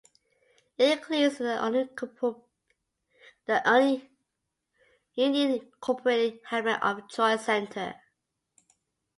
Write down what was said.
It includes the unincorporated hamlet of Troy Center.